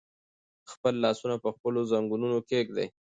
خپل لاسونه په خپلو زنګونونو کېږدئ.